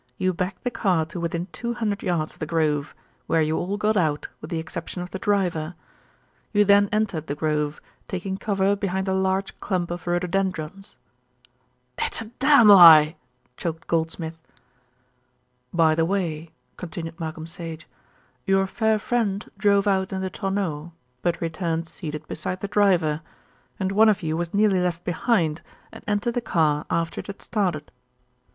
You backed the car to within two hundred yards of 'The Grove,' where you all got out with the exception of the driver. You then entered 'The Grove,' taking cover behind a large clump of rhododendrons." "It's a damned lie," choked Goldschmidt. "By the way," continued Malcolm Sage, "your fair friend drove out in the tonneau; but returned seated beside the driver, and one of you was nearly left behind and entered the car after it had started."